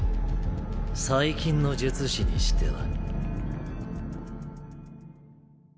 最近の術師にしては。